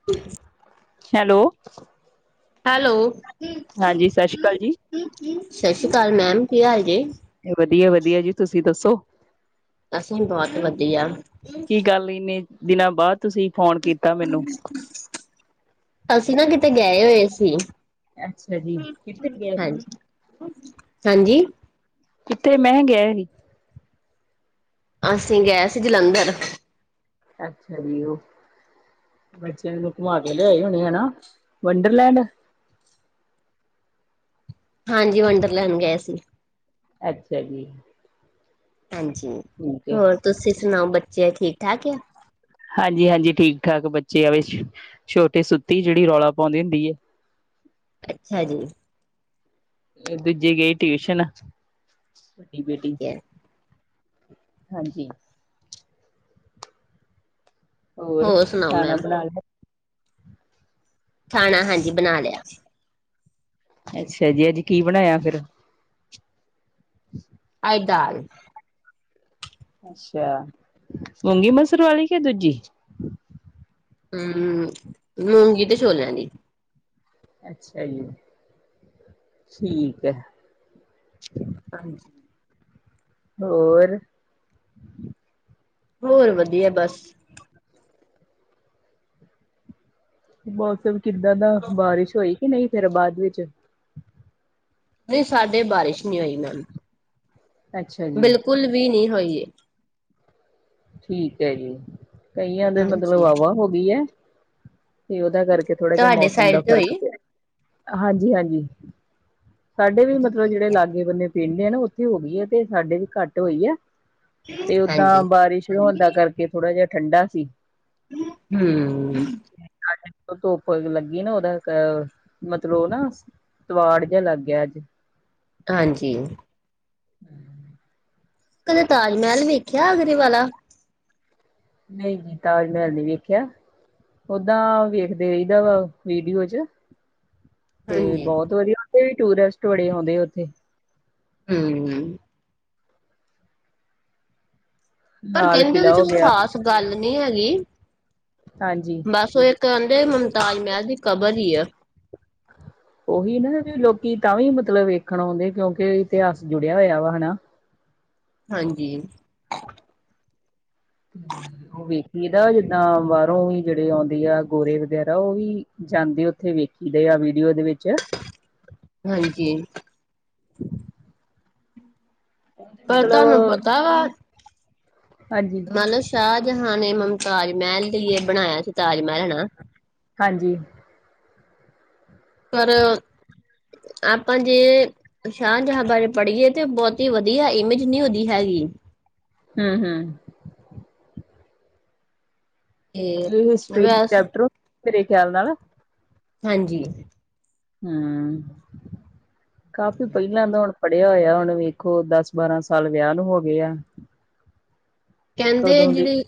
[unintelligible] Hello, hello, ਹਾਂਜੀ ਸਤਿ ਸ਼੍ਰੀ ਅਕਾਲ ਜੀ, ਸਤਿ ਸ਼੍ਰੀ ਅਕਾਲ ਮੈਮ ਕੀ ਹਾਲ ਜੇ, ਵਧੀਆ- ਵਧੀਆ ਜੀ ਤੁਸੀਂ ਦੱਸੋ? ਅਸੀਂ ਬਹੁਤ ਵਧੀਆ, ਕੀ ਗੱਲ ਇੰਨੇ ਦਿਨਾਂ ਬਾਅਦ ਤੁਸੀਂ ਫੋਨ ਕੀਤਾ ਮੈਨੂੰ, ਅਸੀਂ ਨਾਂ ਕਿਤੇ ਗਏ ਹੋਏ ਸੀ। ਅੱਛਾ ਜੀ ਹੁ ਕਿੱਥੇ ਗਏ ਹਾਂਜੀ ਹਾਂਜੀ, ਕਿਤੇ ਮੈਂ ਗਏ ਨੀ, ਅਸੀਂ ਗਏ ਸੀ ਜਲੰਧਰ। ਅੱਛਾ ਜੀ ਉਹ, ਬੱਚਿਆਂ ਨੂੰ ਘੁਮਾ ਕੇ ਲਿਆਏ ਹੋਣੇਂ ਹੈ ਨਾ ਵੰਡਰਲੈਂਡ, ਹਾਂਜੀ ਵੰਡਰਲੈਂਡ ਗਏ ਸੀ। ਅੱਛਾ ਜੀ, ਹਾਂਜੀ ਠੀਕ ਹੈ ਹੋਰ ਤੁਸੀਂ ਸੁਣਾਓ ਬੱਚੇ ਠੀਕ ਠਾਕ ਆ। ਹਾਂਜੀ -ਹਾਂਜੀ ਠੀਕ ਠਾਕ ਬੱਚੇ ਆ ਵਿਚ ਛੋਟੀ ਸੁੱਤੀ ਆ ਜਿਹੜੀ ਰੌਲਾ ਪਾਉਂਦੀ ਹੁੰਦੀ ਹੈ। ਅੱਛਾ ਜੀ, ਦੂਜ਼ੀ ਗਈ ਟਿਊਸ਼ਨ ਵੱਡੀ ਬੇਟੀ, ਠੀਕ ਹੈ। ਹਾਂਜੀ, ਹੋਰ ਸੁਣਾਓ ਖਾਣਾ ਮੈਮ ਬਣਾ ਲਿਆ। ਖਾਣਾ ਹਾਂਜੀ ਬਣਾ ਲਿਆ। ਅੱਛਾ ਜੀ ਅੱਜ ਕੀ ਬਣਾਇਆ ਫੇਰ। ਅੱਜ ਦਾਲ ਅੱਛਾ ਮੂੰਗੀ ਮਸਰ ਵਾਲੀ ਕੇ ਦੂਜੀ? ਹਮ ਮੂੰਗੀ ਤੇ ਛੋਲਿਆਂ ਦੀ। ਅੱਛਾ ਜੀ [inaudible] ਠੀਕ ਹੈ ਹਾਂਜੀ ਹੋਰ ਹੋਰ ਵਧੀਆ ਬਸ ਮੌਸਮ ਕਿੱਦਾਂ ਦਾ ਬਾਰਿਸ਼ ਹੋਈ ਕਿ ਨਹੀਂ ਫੇਰ ਬਾਅਦ ਵਿੱਚ। ਨਹੀਂ ਸਾਡੇ ਬਾਰਿਸ਼ ਨਹੀਂ ਹੋਈ ਮੈ ਅੱਛਾ ਜੀ ਕੁਲ ਵੀ ਨੀ ਹੋਈ ਏ। ਠੀਕ ਹੈ ਜੀ ਕਈਆਂ ਦੇ ਮਤਲਬ ਹਾਂਜੀ ਵਾਵਾ ਹੋ ਗਈ ਏ। ਤੇ ਉਹਦਾ ਕਰਕੇ ਥੋੜ੍ਹਾ ਜਿਹਾ ਤੁਹਾਡੇ ਮੌਸਮ ਸਾਈਡ ਦਾ ਤੇ ਫ਼ਰਕ ਹੋਈ ਪਿਆ ਹਾਂਜੀ ਹਾਂਜੀ। ਸਾਡੇ ਵੀ ਮਤਲਬ ਜਿਹੜੇ ਲਾਗੇ ਬੰਨੇ ਪਿੰਡ ਆ ਨਾ ਉੱਥੇ ਹੋ ਗਈ ਹੈ ਤੇ ਸਾਡੇ ਵੀ ਘੱਟ ਹੋਈ ਆ। ਤੇ ਹਾਂਜੀ। ਓਦਾਂ ਬਾਰਿਸ਼ ਸ਼ੁਰੂ ਹੁੰਦਾ ਕਰਕੇ ਥੋੜ੍ਹਾ ਜਿਹਾ ਠੰਡਾ ਸੀ। ਹੂੰ, ਧੁੱਪ ਲੱਗੀ ਉਹਦਾ ਅ ਮਤਲਬ [unintelligible] ਨਾ, ਤਵਾੜ ਜਾਂ ਲੱਗ ਗਿਆ ਅੱਜ। ਹਾਂਜੀ, ਕਦੇ ਤਾਜ ਮਹਿਲ ਵੇਖਿਆ ਆਗਰੇ ਵਾਲਾ? ਨਈ ਜੀ ਤਾਜ ਮਹਿਲ ਨੀ ਵੇਖਿਆ। ਓਦਾਂ ਵੇਖਦੇ ਰਈ ਦਾ ਵਾ ਵੀਡੀਓ ਚ। ਤੇ ਹਾਂਜੀ, ਬੋਤ ਵਧੀਆ ਉੇਥੇ ਵੀ ਟੂਰਿਸਟ ਬੜੇ ਆਉਂਦੇ ਉੱਥੇ। ਹੂੰ, ਪਰ ਲਾਲ ਕਹਿੰਦੇ ਉਹਦੇ ਕਿਲ੍ਹਾ ਚ ਹੋ ਕੋਈ ਗਿਆ ਖਾਸ ਗੱਲ ਨੀ ਹੈਗੀ। ਹਾਂਜੀ, ਬਸ ਉਹ ਇੱਕ ਕਹਿੰਦੇ ਮੁਮਤਾਜ ਮਹਿਲ ਦੀ ਕਬਰ ਈ ਆ। [inaudible] ਉਹੀ ਨਾ ਵੀ ਲੋਕੀ ਤਾਂ ਵੀ ਮਤਲਬ ਵੇਖਣ ਆਉਂਦੇ ਕਿਉਂਕਿ ਇਤਿਹਾਸ ਜੁੜਿਆ ਹੋਇਆ ਵਾ ਹਨਾ। ਹਾਂਜੀ, ਉਹ ਵੇਖੀ ਦਾ ਜਿੱਦਾਂ ਬਾਰੋਂ ਵੀ ਜਿਹੜੇ ਆਉਂਦੇ ਆ ਗੋਰੇ ਵਗੈਰਾ ਉਹ ਵੀ ਜਾਂਦੇ ਆ ਉੱਥੇ ਵੇਖੀ ਦੇ ਆ ਵੀਡੀਓ ਦੇ ਵਿੱਚ। ਹਾਂਜੀ, [inaudible] ਪਰ ਮਤਲਬ, ਤੁਹਾਨੂੰ ਪਤਾ ਹਾਂਜੀ। ਮੰਨ ਲੋ ਸ਼ਾਹਜਹਾਂਨ ਨੇ ਮਮਤਾਜ ਮਹਿਲ ਲਈ ਏ ਬਣਾਇਆ ਸੀ ਤਾਜ ਮਹਿਲ [unintelligible] ਹਾਂਜੀ, ਪਰ ਆਪਾਂ ਜੇ ਸ਼ਾਹਜਹਾ ਬਾਰੇ ਪੜੀਏ ਤੇ ਬਹੁਤੀ ਵਧੀਆ ਇਮੇਜ ਨੀ ਉਹਦੀ ਹੈਗੀ। ਹੂੰ-ਹੂੰ, ਤੇ ਇਹ ਹਿਸਟਰੀ ਦੇ ਵੈਸ ਚੈਪਟਰ ਮੇਰੇ ਖਿਆਲ ਨਾਲ ਹਾਂਜੀ, ਹੂੰ, ਕਾਫੀ ਪਹਿਲਾਂ ਮੈ ਹੁਣ ਪੜਿਆ ਹੋਇਆ ਹੁਣ ਵੇਖੋ ਦਸ ਬਾਰਾਂ ਸਾਲ ਵਿਆਹ ਨੂੰ ਹੋਗੇ ਆ। ਕਹਿੰਦੇ ਕਦੋਂ ਦੀ ਜਿਹੜੇ,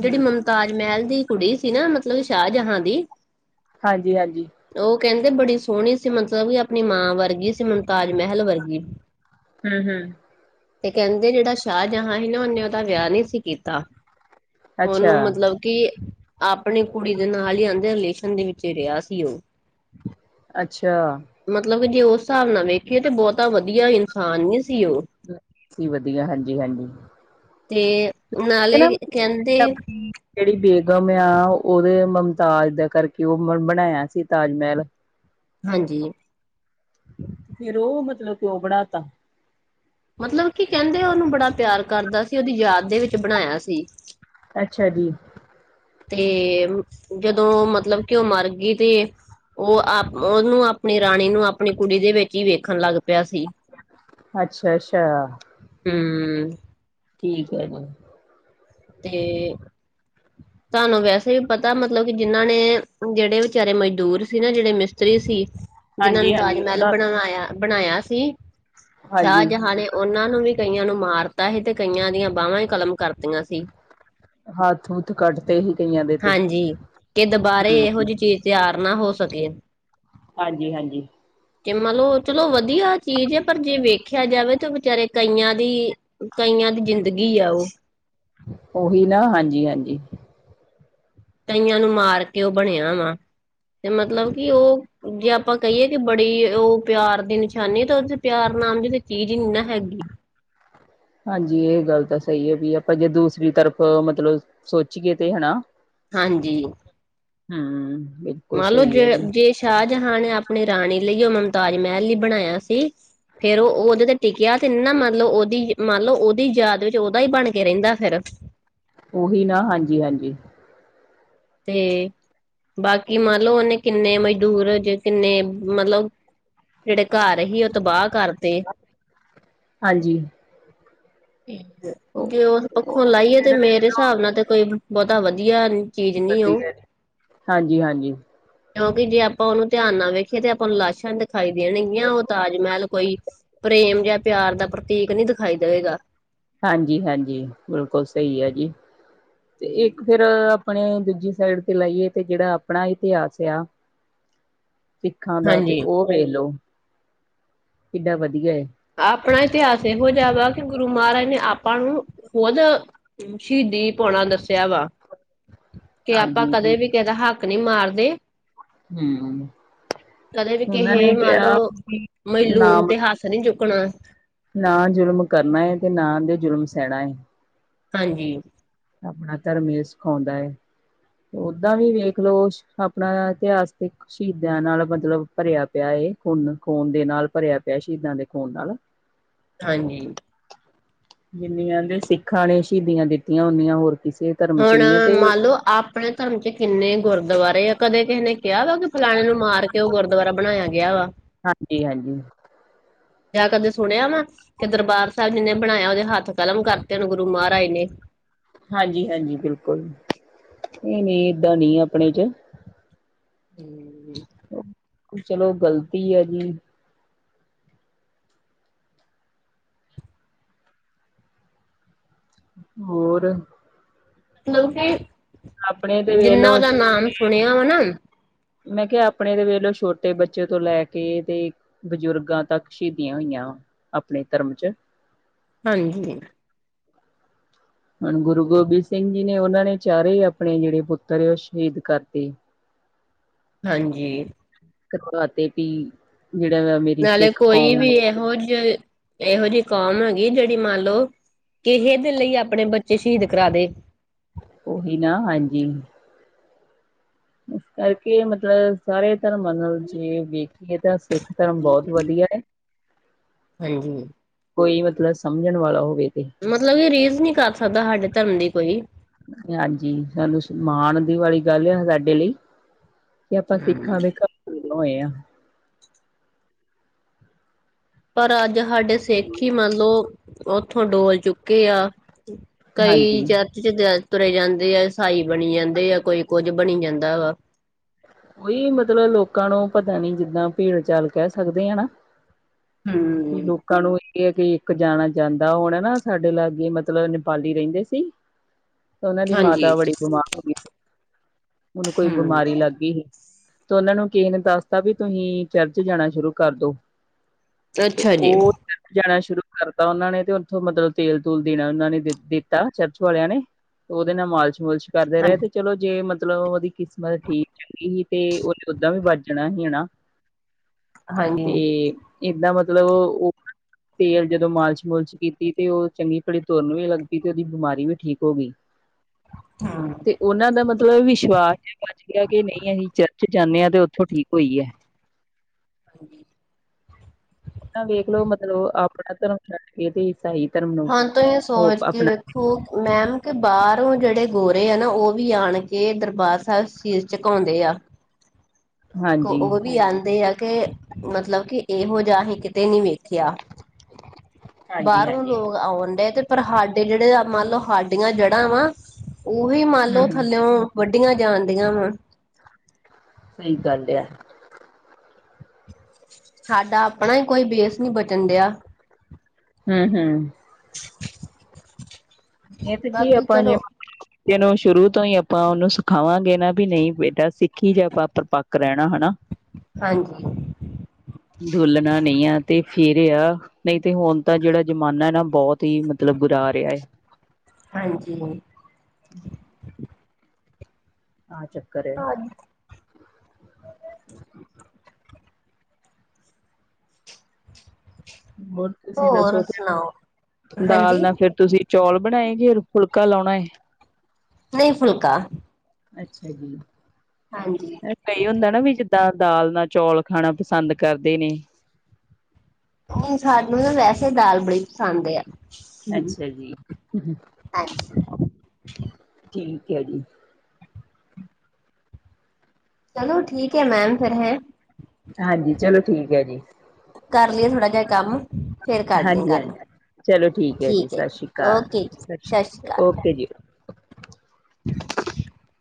ਜਿਹੜੀ ਹੂੰ ਮਮਤਾਜ ਮਹਿਲ ਦੀ ਕੁੜੀ ਸੀ ਨਾ ਮਤਲਬ ਸ਼ਾਹਜਹਾਂ ਦੀ। ਹਾਂਜੀ ਹਾਂਜੀ, ਉਹ ਕਹਿੰਦੇ ਬੜੀ ਸੋਹਣੀ ਸੀ ਮਤਲਬ ਕਿ ਆਪਣੀ ਮਾਂ ਵਰਗੀ ਸੀ ਤਾਜ ਮਹਿਲ ਵਰਗੀ, ਹੂੰ ਹੂੰ ਤੇ ਕਹਿੰਦੇ ਜਿਹੜਾ ਸ਼ਾਹਜਹਾਂ ਹੀ ਨਾ ਉਹਨੇ ਦਾ ਵਿਆਹ ਨੀ ਸੀ ਕੀਤਾ, ਅੱਛਾ ਉਹਨੂੰ ਮਤਲਬ ਕਿ ਆਪਣੀ ਕੁੜੀ ਦੇ ਨਾਲ ਈ ਆਂਦੇ ਰਿਲੇਸ਼ਨ ਦੇ ਵਿੱਚ ਰਿਹਾ ਸੀ ਉਹ ਅੱਛਾ, ਮਤਲਬ ਕਿ ਜੇ ਉਸ ਹਿਸਾਬ ਨਾਲ ਵੇਖੀਏ ਤੇ ਬਹੁਤਾ ਵਧੀਆ ਇਨਸਾਨ ਨੀ ਸੀ ਉਹ ਸੀ ਵਧੀਆ ਹਾਂਜੀ ਹਾਂਜੀ। ਤੇ ਇਹ ਨਾ ਨਾਲੇ ਕਹਿੰਦੇ ਆਪਣੀ ਜਿਹੜੀ ਬੇਗਮ ਆ ਉਹਦੇ ਮੁਮਤਾਜ ਦਾ ਕਰਕੇ ਉਹ ਬਣਾਇਆ ਸੀ ਤਾਜ ਮਹਿਲ ਹਾਂਜੀ, ਫਿਰ ਉਹ ਮਤਲਬ ਕਿਉਂ ਬਣਾਤਾ ਮਤਲਬ ਕੀ ਕਹਿੰਦੇ ਉਹਨੂੰ ਬੜਾ ਪਿਆਰ ਕਰਦਾ ਸੀ ਉਹਦੀ ਯਾਦ ਦੇ ਵਿੱਚ ਬਣਾਇਆ ਸੀ। ਅੱਛਾ ਜੀ। ਤੇ, ਜਦੋਂ ਮਤਲਬ ਕਿ ਉਹ ਮਰ ਗਈ ਤੇ। ਉਹ ਆਪ ਉਹਨੂੰ ਆਪਣੀ ਰਾਣੀ ਨੂੰ ਆਪਣੀ ਕੁੜੀ ਦੇ ਵਿੱਚ ਹੀ ਵੇਖਣ ਲੱਗ ਪਿਆ ਸੀ। ਅੱਛਾ- ਅੱਛਾ। ਕੇ ਠੀਕ ਆ ਜੀ। ਤੇ [inaudible] ਤੁਹਾਨੂੰ ਵੈਸੇ ਵੀ ਪਤਾ ਮਤਲਬ ਕਿ ਜਿਹਨਾਂ ਨੇ ਜਿਹੜੇ ਵਿਚਾਰੇ ਮਜ਼ਦੂਰ ਸੀ ਨਾ ਜਿਹੜੇ ਮਿਸਤਰੀ ਸੀ। ਜਿਨਾਂ ਨ ਹਾਂਜੀ ਤਾਜ ਹਾਂਜੀ ਮਹਿਲ ਉਹਨਾਂ ਬਣਵਾਇਆ ਬਣਾਇਆ ਸੀ, ਹਾਂਜੀ ਸ਼ਾਹਜਹਾਂ ਨੇ- ਉਹਨਾਂ ਨੂੰ ਵੀ ਕਈਆਂ ਨੂੰ ਮਾਰਤਾ ਸੀ ਤੇ ਕਈਆਂ ਦੀਆਂ ਬਾਹਵਾਂ ਹੀ ਕਲਮ ਕਰਤੀਆਂ ਸੀ। ਹੱਥ- ਹੂਥ ਕੱਢਤੇ ਹੀ। ਹਾਂਜੀ, ਕਿ ਦੁਬਾਰੇ ਇਹੋ ਹੂੰ ਜਿਹੀ ਚੀਜ਼ ਤਿਆਰ ਨਾ ਹੋ ਸਕੇ। ਹਾਂਜੀ- ਹਾਂਜੀ। ਕਿ ਮੰਨ ਲੋ ਚਲੋ ਵਧੀਆ ਚੀਜ਼ ਹੈ ਪਰ ਜੇ ਵੇਖਿਆ ਜਾਵੇ ਤਾਂ ਵਿਚਾਰੇ ਕਈਆਂ ਦੀ ਕਈਆਂ ਦੀ ਜ਼ਿੰਦਗੀ ਆ ਓ। ਉਹੀ ਨਾ ਹਾਂਜੀ- ਹਾਂਜੀ। ਕਈਆਂ ਨੂੰ ਮਾਰ ਕੇ ਉਹ ਬਣਿਆ ਹੋਯਾ ਏ, ਤੇ ਮਤਲਬ ਕਿ ਉਹ- ਜੇ ਆਪਾਂ ਕਹੀਏ ਕਿ ਬੜੀ ਉਹ ਪਿਆਰ ਦੀ ਨਿਸ਼ਾਨੀ ਤਾਂ ਉਹਦੇ ਪਿਆਰ ਨਾਮ ਦੇ ਤੇ ਚੀਜ਼ ਹੀ ਨੀ ਨਾ ਹੈਗੀ। ਹਾਂਜੀ ਇਹ ਗੱਲ ਤਾਂ ਸਹੀ ਹੈਗੀ ਏ ਆਪਾਂ ਜੇ ਦੂਸਰੀ ਤਰਫ ਮਤਲਬ ਸੋਚੀਏ ਤਾਂ ਹਨਾ। ਹਾਂਜੀ। ਹੂੰ। ਮੰਨ ਲਓ ਜੇ- ਜੇ ਸ਼ਾਹਜਹਾਂ ਨੇ ਆਪਣੀ ਰਾਣੀ ਲਈ ਯਾ ਮੁਮਤਾਜ ਮਹਿਲ ਲਈ ਬਣਾਇਆ ਸੀ। ਫੇਰ ਉਹ ਉਹਦੇ ਤੇ ਟਿਕਿਆ ਤ ਨਾ ਮੰਨ ਲਓ ਉਹਦੀ- ਮੰਨ ਲਓ ਉਹਦੀ ਯਾਦ ਵਿੱਚ ਓਦਾ ਹੀ ਬਣ ਕੇ ਰਹਿੰਦਾ ਫੇਰ। ਉਹੀ ਨਾ ਹਾਂਜੀ- ਹਾਂਜੀ। ਤੇ, ਬਾਕੀ ਮੰਨਲਓ ਉਹਨੇ ਕਿੰਨੇ ਮਜ਼ਦੂਰ ਜੇ ਕਿੰਨੇ ਮਤਲਬ ਜਿਹੜੇ ਘਰ ਹੀ ਉਹ ਤ ਬਾਹ ਕਰ, ਹਾਂਜੀ। ਜੇ ਉਸ ਪੱਖੋਂ ਲਾਈਏ ਤੇ ਮੇਰੇ ਹਿਸਾਬ ਨਾਲ ਤੇ ਕੋਈ ਬੋਹਤਾ ਵਧੀਆ ਨ- ਚੀਜ਼ ਨੀ ਉਹ। ਵਧੀਆ ਜੀ ਹਾਂਜੀ ਹਾਂਜੀ ਕਿਉਂਕਿ ਜੇ ਆਪਾਂ ਉਹਨੂੰ ਧਿਆਨ ਨਾਲ ਵੇਖੀਏ ਤੇ ਆਪਾਂ ਨੂੰ ਲਾਸਾ਼ ਦਿਖਾਈ ਦੇਣਗੀਆਂ ਉਹ ਤਾਜ ਮਹਿਲ ਕੋਈ, ਪ੍ਰੇਮ ਜਾਂ ਪਿਆਰ ਦਾ ਪ੍ਰਤੀਕ ਨਹੀਂ ਦਿਖਾਈ ਦੇਏਗਾ। ਹਾਂਜੀ- ਹਾਂਜੀ ਬਿਲਕੁਲ ਸਹੀ ਆ ਜੀ, ਤੇ ਇੱਕ ਫਿਰ- ਆਪਣੇ ਦੂਜੀ ਸਾਈਡ ਤੇ ਲਾਈਏ ਤੇ ਜਿਹੜਾ ਆਪਣਾ ਇਤਿਹਾਸ ਆ। ਸਿੱਖਾਂ ਦਾ ਤੇ ਹਾਂਜੀ ਉਹ ਵੇਖ ਲੋ, ਕਿਡਾ ਵਧੀਆ ਐ। ਆਪਣਾ ਇਤਿਹਾਸ ਏ ਹੋ ਜੇਹਾ ਹੈਗਾ ਕਿ ਗੁਰੂ ਮਹਾਰਾਜ ਨੇ ਆਪਾਂ ਨੂੰ ਖੁਦ ਸ਼ਹੀਦੀ ਪਾਉਣਾ ਦੱਸਿਆ ਵਾ ਤੇ ਆਪਾਂ ਹਾਂਜੀ ਕਦੇ ਵੀ ਕਿਸੇਦਾ ਹੱਕ ਨੀ ਮਾਰਦੇ। ਹਮ ਕਦੇ ਵੀ ਉਹਨਾਂ ਕਿਸਹੇ ਨੇ ਮੰਨ ਕਿਹਾ ਲਓ ਮਜ਼ਲੂਮ ਨਾਮ ਤੇ ਹੱਥ ਨੀ ਚੁੱਕਣੇ। ਨਾ ਜ਼ੁਲਮ ਕਰਨਾ ਹੈ ਤੇ ਨਾ ਤੇ ਜ਼ੁਲਮ ਸਹਿਣਾ ਏ। ਹਾਂਜੀ। ਆਪਣਾ ਧਰਮ ਇਹ ਸਿਖਾਉਂਦਾ ਹੈ। ਓਦਾਂ ਵੀ ਵੇਖਲਓ ਛ ਆਪਣਾ ਇਤਿਹਾਸਿਕ। ਸ਼ਹੀਦਾਂ ਨਾਲ ਮਤਲਬ ਭਰਿਆ ਪਿਆ ਏ ਖੂਨੋ-ਖੂਨ ਦੇ ਨਾਲ ਭਰਿਆ ਪਿਆ ਸ਼ਹੀਦਾਂ ਦੇ ਖੂਨ ਨਾਲ ਹਾਂਜੀ। ਜਿੰਨੀਆਂ ਦੇ ਸਿੱਖਾਂ ਨੇ ਸ਼ਹੀਦੀਆਂ ਦਿੱਤੀਆਂ ਓਨੀਆਂ ਹੋਰ ਕਿਸੇ ਧਰਮ ਚ ਹੁਣ ਨਹੀਂ ਹੈ ਤੇ ਮੰਨ ਲੋ ਆਪਣੇ ਧਰਮ ਚ ਕਿੰਨੇ ਗੁਰਦੁਆਰੇ ਆ ਕਦੇ ਕਿਸੇ ਨੇ ਕਿਹਾ ਵਾ ਕਿ ਫਲਾਣੇ ਨੂੰ ਮਾਰ ਕੇ ਓ ਗੁਰਦੁਆਰਾ ਬਣਾਇਆ ਗਿਆ ਵਾ ਹਾਂਜੀ-ਹਾਂਜੀ ਜਾਂ ਕਦੇ ਸੁਣਿਆ ਵਾ ਕੀ ਦਰਬਾਰ ਸਾਬ ਜਿਨੇ ਬਣਾਇਆ ਉਦੇ ਹੱਥ ਕਲਮ ਕਰਤੇ ਹੋਣ ਗੁਰੂ ਮਹਾਰਾਜ ਨੇ। ਹਾਂਜੀ-ਹਾਂਜੀ ਬਿਲਕੁਲ ਏ ਨੀ ਏਦਾਂ ਨੀ ਆਪਣੇ ਚ [inaudible] ਚਲੋ ਗਲਤੀ ਆ ਜੀ ਹੋਰ? ਮਤਲਬ ਆਪਣੇ ਤੇ ਕੀ ਵੇਖਲੋ ਜਿੰਨਾ ਦਾ ਨਾਮ ਸੁਣਿਆ ਵਾ ਨਾ ਮੈਂ ਕਿਆ ਆਪਣੇ ਵੇਲੋ ਛੋਟੇ ਬੱਚੇ ਤੋਂ ਲੈ ਕੇ ਤੇ ਬਜ਼ੁਰਗਾ ਤੱਕ ਸ਼ਹੀਦੀਆਂ ਹੋਈਆਂ ਵਾ ਆਪਣੇ ਧਰਮ ਚ ਹਾਂਜੀ। ਹੁਣ ਗੁਰੂ ਗੋਬਿੰਦ ਸਿੰਘ ਜੀ ਨੇ ਉਨਾਂ ਨੇ ਚਾਰੇ ਆਪਣੇ ਜੇੜੇ ਪੁੱਤਰ ਸ਼ਹੀਦ ਕਰਤੇ। [inaudible] ਹਾਂਜੀ। [unintelligible] ਤੀ ਵੀ ਜੇੜਾ ਵਾ ਮੇਰੀ ਸਿੱਖ ਕੌਮ [inaudible] ਏਹੋ ਜੀ ਕੋਮ ਹੈਗੀ ਜੇੜੀ ਮੰਨਲੋ ਕਿਹੇ ਦੇ ਲੀ ਆਪਣੇ ਬੱਚੇ ਸ਼ਹੀਦ ਕਰਾਦੇ। ਓਹੀ ਨਾ ਹਾਂਜੀ। ਇਸ ਕਰਕੇ ਮਤਲਬ ਸਾਰੇ ਧਰਮਾਂ ਨਾਲ ਜੇ ਵੇਖੀਏ ਤਾਂ ਸਿੱਖ ਧਰਮ ਬੋਤ ਵਧੀਆ ਐ ਹਾਂਜੀ। ਕੋਈ ਮਤਲਬ ਸਮਝਣ ਵਾਲਾ ਹੋਵੇ ਤੇ। ਮਤਲਬ ਏ ਰੀਸ ਨੀ ਕਰ ਸਕਦਾ ਹਾਡੇ ਧਰਮ ਦੀ ਕੋਈ। ਹਾਂਜੀ ਸਾਨੂੰ ਛ ਮਾਣ ਦੀ ਵਾਲੀ ਗੱਲ ਆ ਸਾਡੇ ਲਈ। ਕੇ ਆਪਾਂ ਹਮ ਸਿੱਖਾਂ ਦੇ ਘਰ [unintelligible] ਪਣ ਅੱਜ ਹਾਡੇ ਸਿੱਖ ਈ ਮੰਨਲੋ ਓਥੋ ਡੋਲ ਚੁੱਕੇ ਆ ਕਈ ਹਾਂਜੀ। ਚਰਚ ਚ ਜ ਤੁਰੇ ਜਾਂਦੇ ਆ ਈਸਾਈ ਬਣੀ ਜਾਂਦੇ ਆ ਕੋਈ ਕੁੱਝ ਬਣੀ ਜਾਂਦਾ ਵਾ। ਓਈ ਮਤਲਬ ਲੋਕਾਂ ਨੂੰ ਪਤਾ ਨੀ ਜਿੱਦਾ ਭੇੜ ਚਾਲ ਕੈ ਸਕਦੇ ਆ ਨਾ ਵੀ ਹੂੰ, ਲੋਕਾਂ ਨੂੰ ਕੀਆ ਕੀ ਇੱਕ ਜਾਣਾ ਜਾਂਦਾ ਹੋਨਾ ਨਾ ਸਾਡੇ ਲਾਗੇ ਮਤਲਬ ਨੇਪਾਲੀ ਰੈਂਦੇ ਸੀ ਓਨਾਂ ਦੀ ਹਾਂਜੀ ਮਾਤਾ ਬੜੀ ਬਿਮਾਰ ਹੋਗੀ ਸੀ ਉਨੂੰ ਕੋਈ ਹੂੰ, ਬਿਮਾਰੀ ਲਾਗੀ ਹੀ। ਤਾਂ ਉਨਾਂ ਨੂੰ ਕਿਸੇ ਨੇ ਦੱਸਤਾ ਵੀ ਤੁਸੀਂ ਚਰਚ ਜਾਣਾ ਸ਼ੁਰੂ ਕਰ ਦੋ ਤੇ ਅੱਛਾ ਓ ਜੀ ਜਾਣਾ ਸ਼ੁਰੂ ਕਰਤਾ ਉਨਾਂ ਨੇ ਤੇ ਓਥੋਂ ਮਤਲਬ ਤੇਲ ਤੂਲ ਦੇਣਾ ਉਨਾਂ ਨੇ ਦੀ ਦਿੱਤਾ ਚਰਚ ਵਾਲਿਆਂ ਨੇ ਉਦੇ ਨਾ ਮਾਲਸ਼-ਮੁਲਸ਼ ਕਰਦੇ ਹਾਂ ਰਏ ਤੇ ਚਲੋ ਜੇ ਮਤਲਬ ਓਦੀ ਕਿਸਮਤ ਠੀਕ [unintelligible] ਹੀ ਤੇ ਉਨੇ ਓਦਾਂ ਵੀ ਵੱਜਣਾ ਸੀ ਹਨਾ ਹਾਂਜੀ ਤੇ ਏਦਾਂ ਮਤਲਬ ਓ [unintelligible] ਤੇਲ ਜਦੋਂ ਮਾਲਸ਼-ਮੁਲਸ਼ ਕੀਤੀ ਤੇ ਓ ਚੰਗੀ ਭਲੀ ਤੁਰਨ ਵੀ ਲਾਗੀ ਤੇ ਓਦੀ ਬਿਮਾਰੀ ਵੀ ਠੀਕ ਹੋਗੀ। [inaudible] ਹਾਂ। ਓਨਾਂ ਦਾ ਮਤਲਬ ਵਿਸ਼ਵਾਸ [unintelligible] ਗਿਆ ਕੇ ਨਈ ਅਸੀਂ ਚਰਚ ਜਾਂਦੇ ਆ ਤੇ ਓਥੋਂ ਠੀਕ ਹੋਈ ਐ। ਹਾਂਜੀ। ਐਹ ਵੇਖਲੋ ਮਤਲਬ ਆਪਣਾ ਧਰਮ ਛੱਡ ਕੇ ਤੇ ਸਹੀ ਧਰਮ ਨੂੰ ਹਾਂ ਤੇ ਏ ਉਹ ਸੋਚਦੀ ਆਪਣਾ ਵੇ ਖੋ ਮੈਮ ਕੇ ਬਰੋਂ ਜੇੜੇ ਗੋਰੇ ਆ ਨਾ ਓ ਵੀ ਆਣ ਕੇ ਦਰਬਾਰ ਸਾਹਬ ਸੀਸ ਚੁਕਾਉਂਦੇ ਆ। ਵੇਖੋ ਹਾਂਜੀ। ਓ ਵੀ ਆਦੇ ਆ ਕੇ ਮਤਲਬ ਕਿ ਇਹੋ ਜਾ ਅਸੀਂ ਕਿਤੇ ਨੀ ਵੇਖ ਖਿਆ, ‌ਬਾਰੋਂ ਹਾਂਜੀ-ਹਾਂਜੀ। ਲੋਕ ਆਉਣ ਡਿਆ ਤੇ ਪਰ ਹਾਡੇ ਜੇੜੇ ਮੰਨ ਲ‌ਓ ਹਾਡੀਆਂ ਜੜਾ ਵਾ। ਓ ਵੀ ਮੰਨਲੋ ਹੂੰ-ਹੂੰ। ਥੱਲਿਓ ਵੱਢੀਆਂ ਜਾਣ ਦੀਆ ਵਾ। ਸਹੀ ਗੱਲ ਏ ਆ। ਸਾਡਾ ਆਪਣਾ ਈ ਕੋਈ ਬੇਸ ਨੀ ਬਚਣ ਡਿਆ। ਹੂੰ-ਹੂੰ। ਏ ਤੇ ਕੀ ਆ ਬਾਕੀ ਆਪਾ ਜੇ ਚਲੋ [unintelligible] ਜੇ ਏਨੂੰ ਸ਼ੁਰੂ ਤੋਂ ਈ ਆਪਾਂ ਓਨੂੰ ਸਿਖਾਵਾਗੇ ਨਾ ਵੀ ਨ‌ਈ ਬੇਟਾ ਸਿੱਖੀ ਜਾ [unintelligible] ਪੱਕ ਰਹਿਣਾ ਹਨਾ। [inaudible] ਹਾਂਜੀ। ਡੁੱਲਣਾ ਨੀ ਆ ਤੇ ਫੇਰ ਏ ਆ ਨ‌ਈ ਤੇ ਹੁਣ ਤਾਂ ਜੇੜਾ ਜ਼ਮਾਨਾ ਨਾ ਬਹੁਤ ਈ ਮਤਲਬ ਬੁਰਾ ਆ ਰਿਆ ਏ। ਹਾਂਜੀ। [inaudible] ਕਾਅ ਚ? [inaudible] ਹ ਹੋਰ ਤੁਸੀਂ ਹੋਰ ਦੱਸੋ ਸੁਣਾਓ [unintelligible] ਦਾਲ ਹਾਂਜੀ ਨਾ ਫੇਰ ਤੁਸੀਂ ਚੌਲ ਬਣਾਏ [unintelligible] ਫੁਲਕਾ ਲਾਉਣਾ ਏ? ਨ‌ਈ ਫੁਲਕਾ, ਅੱਛਾ ਜੀ ਹਾਂਜੀ। ਕਈ ਹੁੰਦਾ ਨਾ ਵੀ ਜਿਦਾਂ ਦਾਲ ਨਾਲ ਚੌਲ ਖਾਣਾ ਪਸੰਦ ਕਰਦੇ ਨੇ। ਨ‌ਈ ਸਾਨੂੰ ਨਾ ਵੈਸੇ ਦਾਲ ਬੜੀ ਪਸੰਦ ਏ ਆ। ਅੱਛਾ ਜੀ, ਹਾਂਜੀ ਠੀਕ ਐ ਜੀ। ਚਲੋ ਠੀਕ ਐ ਮੈਮ ਫੇਰ ਹੈਅ। ਹਾਂਜੀ ਚਲੋ ਠੀਕ ਐ ਜੀ। ਕਰ ਲਈਏ ਥੋੜਾ ਜਾ ਕੰਮ, ਫੇਰ ਕਰਦੀ ਆ ਹਾਂਜੀ ਗੱਲ। ਹਾਂਜੀ ਚਲੋ ਹੈ ਠੀਕ ਐ ਸਤਿ ਜੀ ਸ਼੍ਰੀ ਅਕਾਲ ਓਕੇ ਜੀ, ਸਤਿ ਸ਼੍ਰੀ ਅਕਾਲ ਕਾਲ। ਓਕੇ ਜੀ। [inaudible]